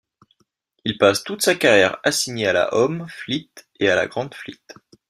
Il passe toute sa carrière assignée à la Home Fleet et la Grand Fleet.